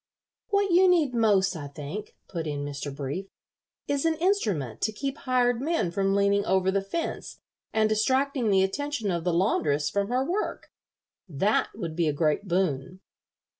"What you need most, I think," put in Mr. Brief, "is an instrument to keep hired men from leaning over the fence and distracting the attention of the laundress from her work. That would be a great boon."